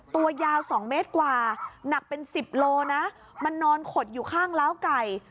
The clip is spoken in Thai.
ตัวยาว๒เมตรกว่าหนักเป็น๑๐โลนะมันนอนขดอยู่ข้างล้าวไก่